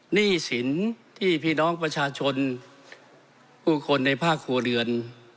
หนี้สินที่พี่น้องประชาชนผู้คนในภาคครัวเรือน